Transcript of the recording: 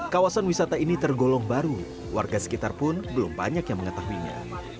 kawasan wisata ini tergolong baru warga sekitar pun belum banyak yang mengetahuinya